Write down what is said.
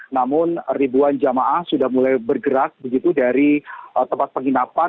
namun ribuan jamaah sudah mulai bergerak begitu dari tempat penginapan